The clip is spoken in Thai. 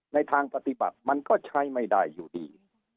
ในทางปฏิบัติมันก็ใช้ไม่ได้อยู่ดี